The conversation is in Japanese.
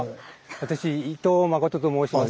私伊藤慎と申します。